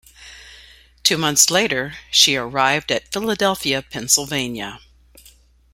Two months later, she arrived at Philadelphia, Pennsylvania.